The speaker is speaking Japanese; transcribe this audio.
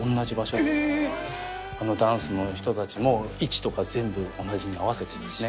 あのダンスの人たちも、位置とか全部同じに合わせてるんですね。